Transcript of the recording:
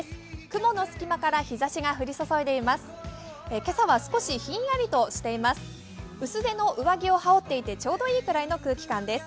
雲の隙間から日ざしが降り注いでいます。